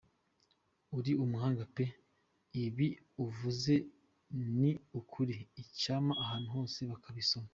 uri umuhanga pe! ibi uvuze ni ukuri icyampa abantu bose bakabisoma.